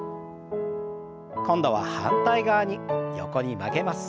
今度は反対側に横に曲げます。